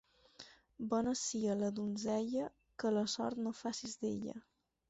Bona sia la donzella que la sort no facis d'ella.